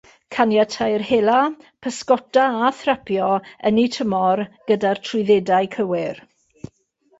Caniateir hela, pysgota a thrapio yn eu tymor gyda'r trwyddedau cywir.